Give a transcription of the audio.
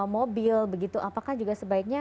mobil begitu apakah juga sebaiknya